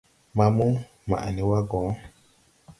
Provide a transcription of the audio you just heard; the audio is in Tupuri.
Maamu, maʼ ne wa gɔ !